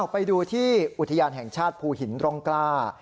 ไปดูที่อุทยานแห่งชาติภูหินร่องกล้า